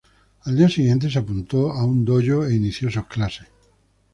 Al día siguiente se apuntó a un dōjō e inició sus clases.